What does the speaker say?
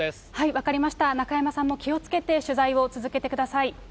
分かりました、中山さんも気をつけて取材を続けてください。